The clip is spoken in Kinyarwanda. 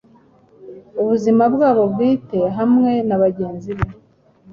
Ubuzima bwabo bwite hamwe nabagenzi be